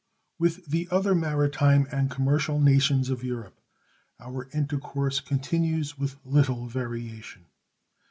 With the other maritime and commercial nations of Europe our intercourse continues with little variation.